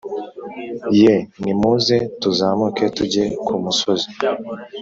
Ye nimuze tuzamuke tujye ku musozi